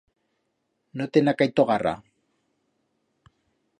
No te'n ha caito garra.